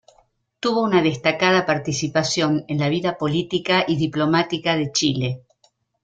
Tuvo una destacada participación en la vida política y diplomática de Chile.